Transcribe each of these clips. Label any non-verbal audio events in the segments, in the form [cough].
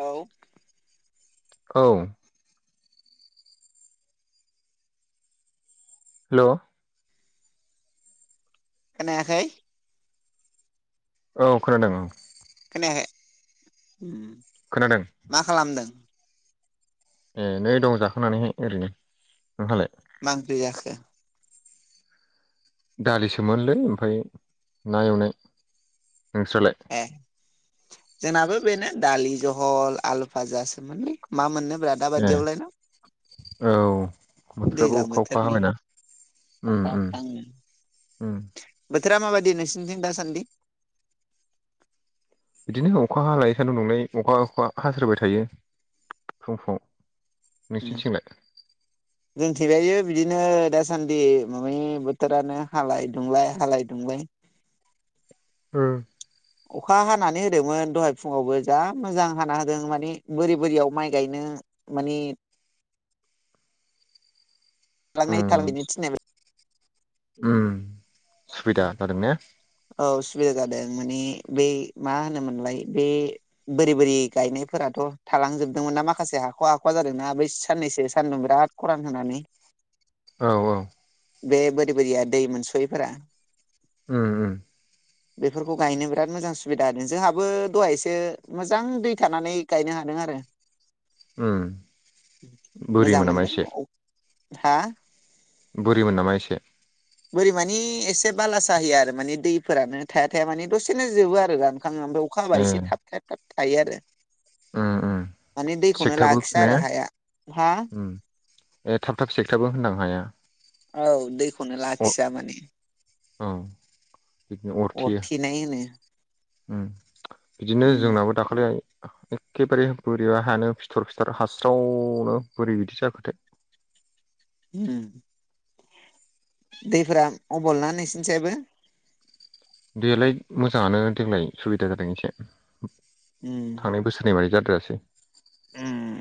औउ औ हेल' खोनायाखै औ खोनादों औ खोनायाखै उ खोनादों। मा खालामदों। ए नै दं जाखोनानैहाय ओरैनो नोंहालाय मा ओंख्रि जाखो दालिसोमोनलै ओमफफ्राय ना एवनाय नोंस्रलाय ए जोंहाबो बेनो दालि जहल आलु फाजाासोमोनलै मा मोननो रादा ए बादियावलाय ना औ बोथोराबो दैज्लां अखा अखा बोथोरनि हाबायना। अखा बथारामाबाददि नोरसिनसिं दासान्दि बिदिनो अखा हा लायोखान नंलाय अखा अखा हास्रबाय थायो फुं समाव नोंसिनिथिंलाय जों थेबायायो बिदिनो दासान्दि माबानि बोथोरानो हालाय दुंलाय हालाय दुंलाय उ अखा हानानै होदोंमोन दहाय फुङावबो जा मोजां हाना होदों माने बोरि बोरियाव माइ गायनो। मानि उ थालांनाय थालांनो थिननाय उ सुबिदा जादों ने औ सुबिदा जादों माने बे मा होनोमोनलाय बे बोरै बोरै गायनायफोराथ' थालांजोबदोंमोन ना माखासे हाख'आ हाख'आ जादोंना बै साननैसो सानदुं बिराद खारान होननानै औ औ बे बोरै बोरैया दै मोनस'यैफोरा ओम ओम बेफोरखौ गायनो बिराद मोजां सुबिदा होदों जोंहाबो दहायसे मोजां दै थानानै गायनो हादों आरो उम मोजां बोरिमोन नामा एसे मोनदों हा बुरिमोन नामा एसे बोरै मानि एसे बाला स होया आरो माने दैफोरानो थाया थाया माने दसेनो जोबो आरो गाम अखाङो ओमफ्राय अखा हाबा ए एसे थाब थाब थाब थायो आरो उम उम माने दैखौनो सेकथाबो लाखिस ने आरो हाया हा उम ए थाब थाब सेकथाबो होननां हाया औ दैखौनो लाखिया माने औ बिदिनो अरथेयो अरथेनाय होनो बिदिनो उम जोंनाबो दाखालि एखेबारे बोरैब हानो फिथर फिथर हास्रावनो बोरै बिदि जाखोथाय ह दैफोरा अबलनानै नसिनसैाबो बेयालाय मोजाङानो देग्लाय सुबिदा जादों एसे उम थांनाय बोसोरनि बादै जाद्रासै उम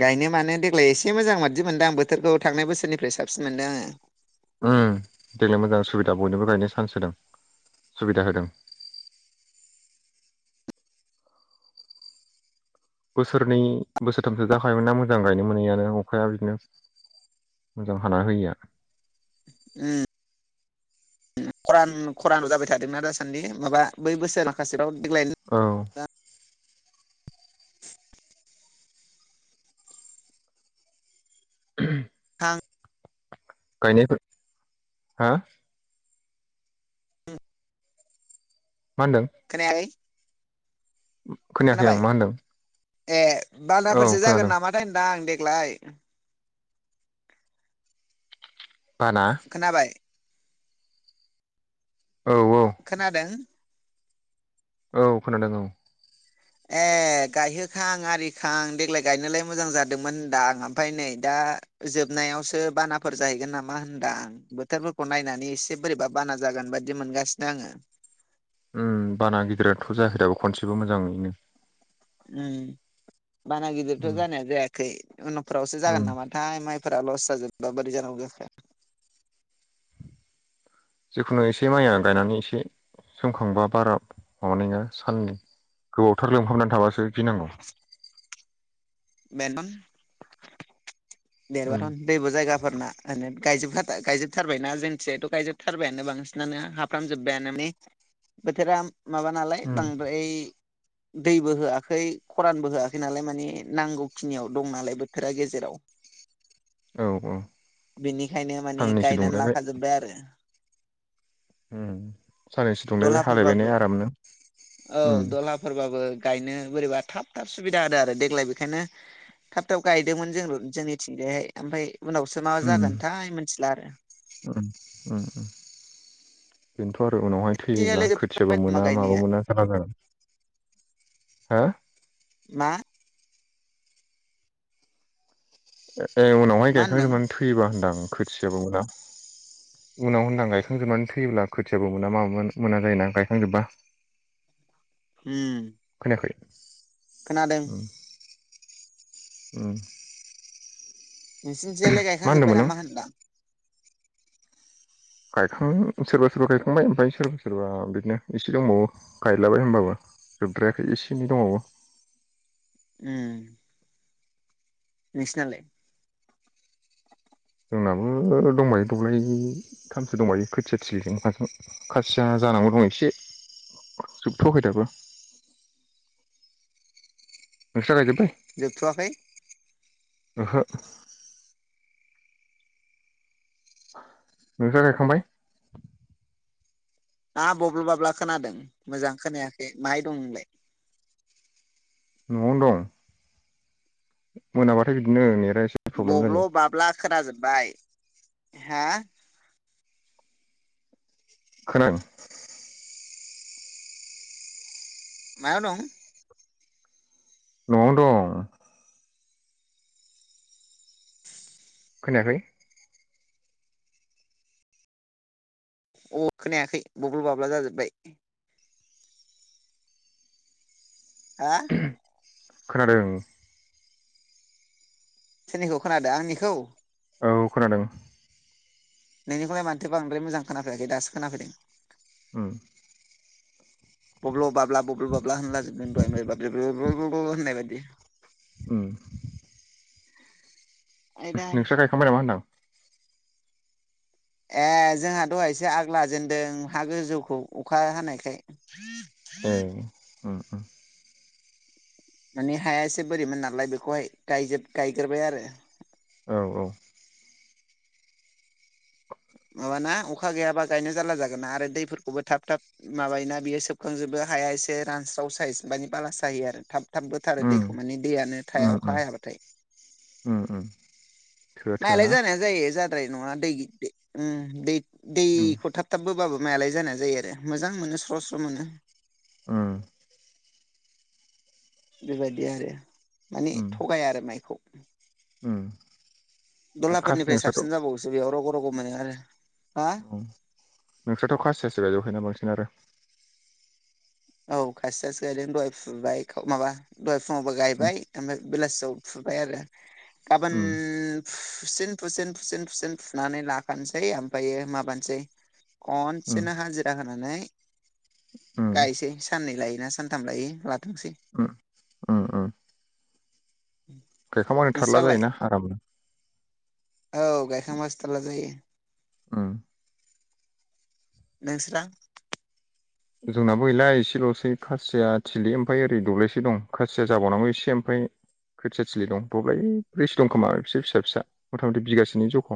गायनो मानो देग्लाय एसे मोजां मादि मोनदों आं बोथोरखौ थांनाय बोसोरनिफ्राय साबसिन मोनदों आङो। उम देग्लाय मोजां सुबिदा बयनोबो गायनो सान्स होदों सुबिदा होदों। बोसोरनै बोसोरथामसो जाखायोमोन ना मोजां गायनो मोनैानो अखाया बिदिनो। मोजां हाना होयिया‌। उम खरान खरान' जाबाय थादोंना दासान्दि माबा बै बोसोर माखासेफ्राव देग्लाय औ [inaudible] [unintelligible] थां गायनायफोर हा [unintelligible] मा होनदों? खोनायाखै। खोनायाखै आं खोनाबाय मा होनदों? ए औ बालाफोरसो जागोन खोनादों नामाथाय होनदां आं देग्लाय। बाना खोनाबाय? औ औ खोनादों? औ खोनादों औ। ए गायहोखां आरिखां देग्लाय गायनोलाय मोजां जादोंमोन होनदा आं ओमफ्राय नै दा जोबनायावसो बानाफोर जाहैगोन नामा होनदां। बोथोरफोरखौ नायनानै एसे बोरैबा बाना जागोन बायदि मोनगासिनो आङो। उम बाना गिदिराथ' जायाखै दाबो खनसेबो मोजाङैनो। उम बाना गिदिरथ' उम जानाया जायाखै उन'फोरावसो उम जागोन नामा। थाइ माइफोरा लस जाजोबबा बोरै जानांगौजाखो। जिखुनु एसे माइया गायनानै एसे सोमखांबा बारा माबानाय नङा साननि गोबावथार लोंमहाबनानै थाबासो गिनांगौ। [inaudible] बेेनथन देर उम बाथ' दैबो जायगाफोरना गायजोब गायजोबथारबायना जोंथियाथ' गायजोबथारबायानो बांसिनानो हाब फ्रामजोब्बायानो मे बोथोरा माबा नालाय बांद्राय दैबो होआखै खरानबो होआखै नालाय माने नांगौखिनियाव दं नालाय बोथोरा गेजेराव। औ औ बेनिखायनो माने साननैसो गायनानै दुंलायबाय लाखाजोब्बाय आरो। उम साननैसो दुंलायबाय दलहाफोरबाबो हालायबायनाय आरामनो। फोरबाबो गायनो बोरैबा थाब थाब सुबिदा होदो आरो देग्लाय बेखायनो थाब थाब गायदोंमोन जों जोंनिथिंजायहाय ओमफ्राय उनावसो मा उम जागोनथाय मिथिला आरो। उम उम बेनोथ' आरो उनावहाय थैयोब्ला खोथियाबो लोगोफोर नामा मोना माबो गायनाया मोना। जारला जागोन हो मा? ए उनावहाय मा होनदों गायखांग्रोमोन थैयोबा होनदां खोथियाबो मोना। उनाव होनदां गायखांजोबनानै थैयोब्ला खोथियाबो मोना माबो मोना जायो ना गायखांजोबबा। [inaudible] हम खोनाखै उम उम नोंसिनिथियालाय गायखांजोब्बाय होनदोंमोन नों नामा होनब्ला? गायखां सोरबा सोरबा गायखांबाय ओमफ्राय सोरबा सोरबा बिदिनो इसे दंबावो। गायलाबाय होमबाबो जोबद्रायाखै एसे एनै दंबावो। उम। नोंसिनालाय? जोंनाबो दंबायो दब्लायथामसो दंबायो खोथिया थिलिजों माजों। खासिया जानांगौ दं एसे जोबथ'वाखै दाबो। नोंस्रा गायजोबबाय? जोबथ'वाखै? ओहो। नोंस्रा गायखांबाय? ना बब्ल' बाब्ला खोनादों मोजां खोनायाखै माहाय दं नोंलाय? न'आवनो दं। मोनाब्लाथाय बिदिनो नेेता एसे प्रब्लेम जायो बब्ल' बाब्ला खोनाजोबबाय हा? खोनादों। मायाव दं? न'आवनो दं। खोनायाखै? अब खोनायाखै बबल' बाब्ला जाजोब्बाय। हा? खोनादों। सोरनिखौ खोनादों आंनिखौ? औ खोनादों। नोंनिखौलाय माथो बांद्राय मोजां खोनाफैयाखै दासो खोनाफैदों। उम। बब्ल' बाब्ला बब्ल' बाब्ला होनलाजोब [unintelligible] होननाय बायदि। ओम। आयदै नोंस्रा गायखांबाय नामा होनदां? ए जोंहा दहायसो आग लाजेनदों हा गोजौखौ अखा हानायखाय। ए ओम ओम। माने हाया एसे बोरिमोन नालाय बेखौहाय गायजोब गायग्रोबाय आरो। औ औ। माबाना अखा गैयाबा गायनो जारला जागोन ना आरो दैफोरखौबो थाब थाब माबायोना बियो सोबखांजोबो हाया एसे रानस्राव साइस माने बाला सायो आरो। थाब थाब बोथारो उम दैखौ माने दैयानो थाया अखा हायाबाथाय‌। ओम ओम। माइआलाय जानाया जायो जाद्राय नङा दै दै उम दै उम दैखौ थाब थाब बोबाबो मायालाय जानाया जायो आरो मोजां मोनो स्र' स्र' मोनो। उम। बेबायदि आरो माने उम थगाया आरो माइखौ। उम। आरो खा दलाफोरनिफ्राय नोंस्राथ' साबसिन जाबावोसो बेयाव रग' रग' मोनो आरो हा? उम नोंस्राथ' खासियासो गायजोबखायो ना बांसिन आरो। औ खासियासे गायदों दहाय फुबाय माबा दहाय फुङावबो उम गायबाय ओमफ्राय बेलासियाव फुबाय आरो गाबोन उम फुसिन फुसिन फुसिन फुसिन फुनानै लाखानोसै ओमफ्रायो माबानोसै उम खनसेनो हाजिरा होनानै उम गायसै साननै लायोना सानथाम लायो लाथोंसै। उ उम उम। गायखांबानो थारला नोंस्रालाय जायोना आरामनो। औ गायखांबासो थारला जायो। उम। नोंस्रा जोंनाबो गैला एसेल'सै खासिया थिलि ओमफ्राय ओरै दब्लायसे दं खासिया जाबावनांगौ एसे ओमफ्राय खोथियाथिलि दं दब्लाय ब्रैस दं खोमा एस फिसा फिसा मथा मथि बिगासेनि जख'।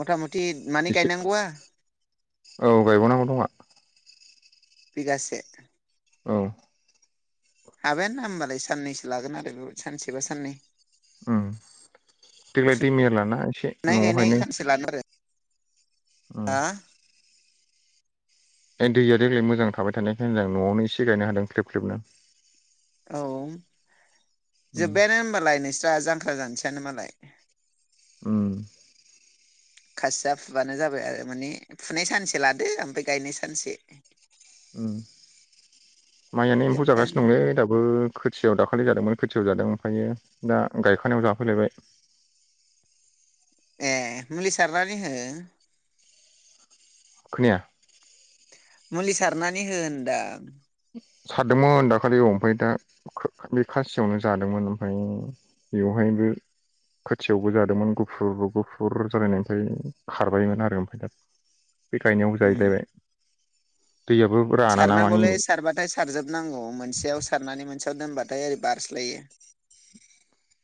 मथा मथि मानै एसे गायनांगौआ औ गायबावनांगौ दंआ। बिगासे औ। हाबोन ना होमबालाय साननैसो लागोन आरो बे सानसेबा साननै। उम देग्लाय दै मेरलाना एसे फुनाय न'आवहायनो उम [unintelligible] ए दैया देग्लाय मोजां थाबाय थानायखाय होनदां न'आवनो एसे गायनो हादों ख्रेब ख्रेबनो। औ उम जोब्बायानो होनोमबालाय नोंस्रा जांख्रा जानोसैयानो मालाय। उम। खासिया फुबानो जाबाय आरो माने फुनाय सानसे लादो ओमफ्राय गायनाय सानसे माइआनो एम्फौ जोब्बायानो जागासिनो दंलै दाबो। खोथियाव दाखालै जादोंमोन खोथियाव जादों ओमफायो दा गायखानायाव जाफैलायबाय। ऐ मुलि सारनानै हो। खोनाया। मुलि सारनानै हो होनदां। सारदोंमोन दाखालि औ ओमफ्राय दा बे खासियावनो जादोंमोन ओमफ्राय बेवहायबो खोथियावबो जादोंमोन गुफुर गुफुर जालायनायनिफ्राय खारबायमोन आरो ओमफ्राय दा बे गायनायावबो उम जाहैलायबाय दैयाबो राना ना मानि थाय सारजोबनांगौ मोनसेयाव सारनानै मोनसेयाव दोनबाथाय ओरै बारस्लायो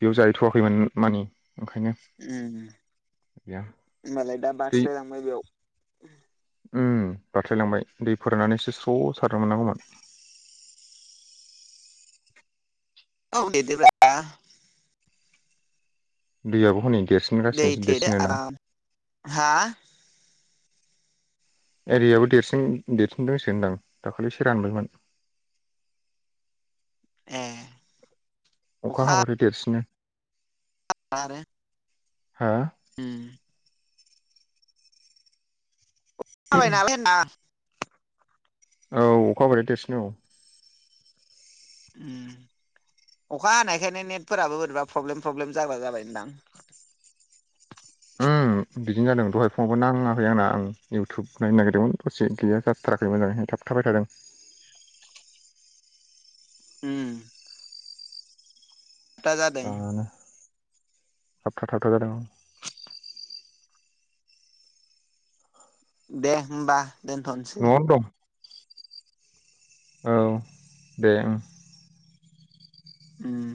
बेयाव जाहैथ'वाखैमोन मानि ओंखायनो उम गैया होनबालाय दा दै बास्लायलांबाय बेयाव। उम बारस्रायलांबाय दै फोराननानै एसे स्ल' सारनो मोननांगौमोन। औ देदब्रा दैयाबो हनै दै देरसिनगासिनोसो थेदो देरसिनो ना। आराम हा एरियाबो देरसिन देरसिन दंसो होनदां दाखालिसो रानबायमोन। ऐ। अखा हाबथाय देरसिनो। आरो हो। उम। थाबाय नालाय होनना औ अखा बोरै देरसिन औ। उम अखा हानायखायनो नेटफोराबो बोरैबा फ्रब्लेम फ्रब्लेम जाग्रा जाबायनदां। उम। उम बिदिनो जादों दहाय फंङावबो नाङाखै आंना आं इउटुब नायनो नागिरदोंमोन दसे गैया जाथ थाराखै मजाङैहाय थाब थाबाय थादों। उम। दा जादों आङानो थाबथा थाबथा जादों। दे होमबा दोनथ'नसै। न'आवनो दं औ दे ओं। उम।